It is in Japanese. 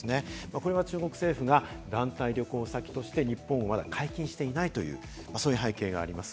これは中国政府が団体旅行先として日本をまだ解禁していないという背景があります。